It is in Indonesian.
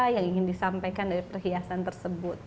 yang ingin disampaikan dari perhiasan tersebut